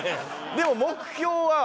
でも目標は。